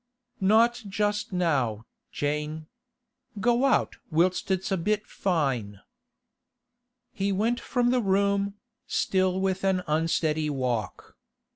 'Not just now, Jane. Go out whilst it's a bit fine.' He went from the room, still with an unsteady walk.